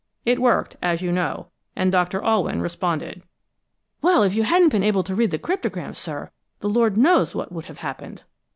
It worked, as you know, and Doctor Alwyn responded." "Well, if you hadn't been able to read the cryptogram, sir, the Lord knows what would have happened!"